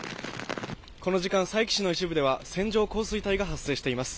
この時間佐伯市の一部では、線状降水帯が発生しています。